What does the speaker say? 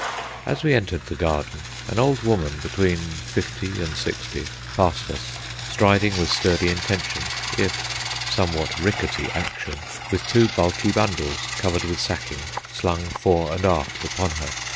As we entered the garden, an old woman, between fifty and sixty, passed us, striding with sturdy intention if somewhat rickety action, with two bulky bundles, covered with sacking, slung fore and aft upon her.